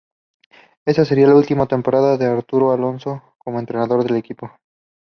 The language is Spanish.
Esa sería la última temporada de Arturo Alonso como entrenador del equipo.